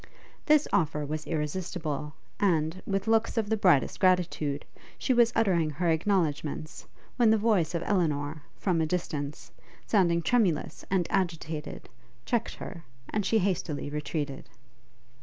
This offer was irresistible, and, with looks of the brightest gratitude, she was uttering her acknowledgements, when the voice of Elinor, from a distance, sounding tremulous and agitated, checked her, and she hastily retreated.